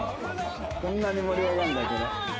こんなに盛り上がるんだこれ。